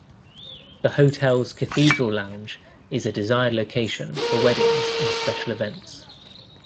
The hotel's Cathedral Lounge is a desired location for weddings and special events.